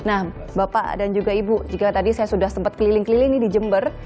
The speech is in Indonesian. nah bapak dan juga ibu jika tadi saya sudah sempat keliling keliling nih di jember